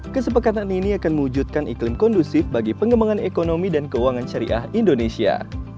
kesepakatan ini akan mewujudkan iklim kondusif bagi pengembangan ekonomi dan keuangan syariah indonesia